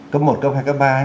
cấp một cấp hai cấp ba